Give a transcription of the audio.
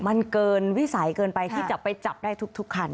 มันเกินวิสัยเกินไปที่จะไปจับได้ทุกคัน